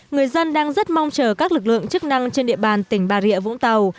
người dân đang rất mong chờ các lực lượng chức năng trên địa bàn tỉnh bà rịa vũng tàu